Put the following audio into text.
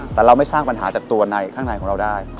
แต่เราไม่สร้างปัญหาจากตัวในข้างในของเราได้